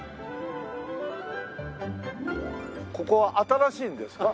ここは新しいんですか？